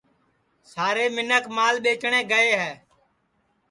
سارے منکھ مال ٻیجٹؔے گئے ہے